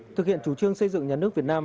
thực hiện chủ trương xây dựng nhà nước việt nam